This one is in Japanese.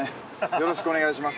よろしくお願いします。